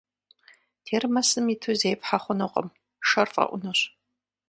Термосым иту зепхьэ хъунукъым, шэр фӏэӏунущ.